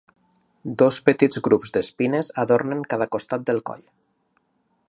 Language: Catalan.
Dos petits grups d'espines adornen cada costat del coll.